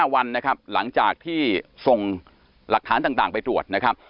วันนะครับหลังจากที่ส่งหลักฐานต่างไปตรวจนะครับ